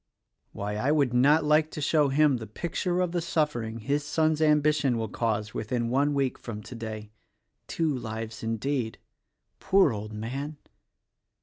Why, I would not like to show him the picture of the suffering his son's ambition will cause within one week from today. Two lives, indeed! Poor old man!"